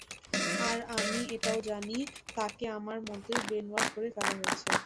আর আমি এটাও জানি, তাকে আমার মতই ব্রেইনওয়াশ করে ফেলা হয়েছে।